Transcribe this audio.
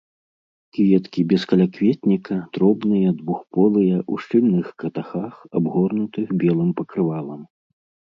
Кветкі без калякветніка, дробныя, двухполыя, у шчыльных катахах, абгорнутых белым пакрывалам.